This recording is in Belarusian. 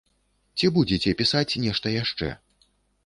Ці будзеце пісаць нешта яшчэ?